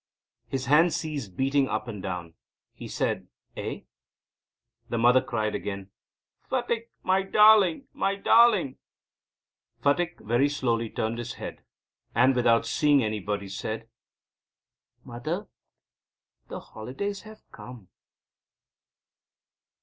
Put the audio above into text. His hands ceased beating up and down. He said: "Eh?" The mother cried again: "Phatik, my darling, my darling." Phatik very slowly turned his head and, without seeing anybody, said: "Mother, the holidays have come."